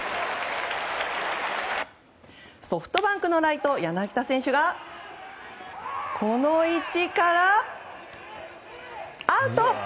ソフトバンクのライト柳田選手がこの位置からアウト！